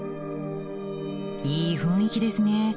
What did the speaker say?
いい雰囲気ですね！